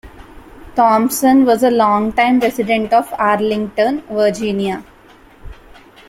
Thompson was a long-time resident of Arlington, Virginia.